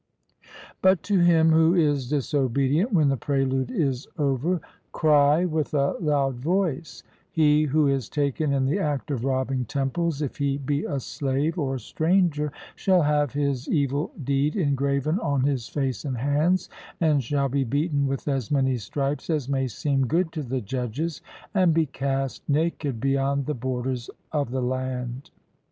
But to him who is disobedient when the prelude is over, cry with a loud voice He who is taken in the act of robbing temples, if he be a slave or stranger, shall have his evil deed engraven on his face and hands, and shall be beaten with as many stripes as may seem good to the judges, and be cast naked beyond the borders of the land.